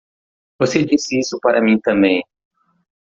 Você disse isso para mim também.